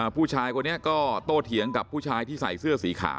ผู้ชายคนนี้ก็โตเถียงกับผู้ชายที่ใส่เสื้อสีขาว